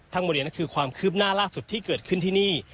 ทั้งหมดนี้คือความคืบหน้าล่าสุดที่เกิดขึ้นที่นี่